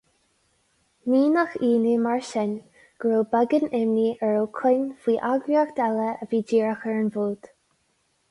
Ní nach ionadh, mar sin, go raibh beagán imní ar Ó Coinn faoi eagraíocht eile a bhí díreach ar an bhfód.